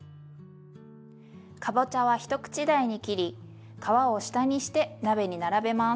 かぼちゃは一口大に切り皮を下にして鍋に並べます。